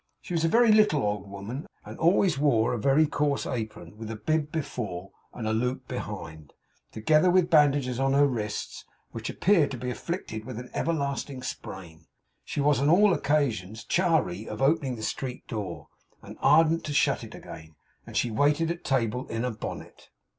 She was a very little old woman, and always wore a very coarse apron with a bib before and a loop behind, together with bandages on her wrists, which appeared to be afflicted with an everlasting sprain. She was on all occasions chary of opening the street door, and ardent to shut it again; and she waited at table in a bonnet.